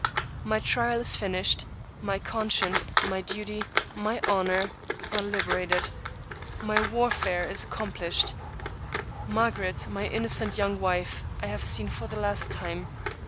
My trial is finished ; my conscience, my duty, my honor, are liberated ; my * warfare is accomplished.' Margaret, my innocent young wife, I have seen for the last time.